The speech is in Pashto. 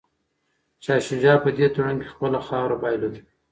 شاه شجاع په دې تړون کي خپله خاوره بایلوده.